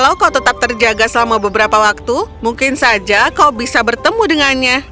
kalau kau tetap terjaga selama beberapa waktu mungkin saja kau bisa bertemu dengannya